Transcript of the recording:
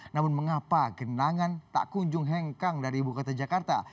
namun mengapa genangan tak kunjung hengkang dari ibu kota jakarta